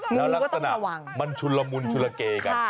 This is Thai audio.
แล้วนักสนามมันชุระมุนชุระเกลิกัน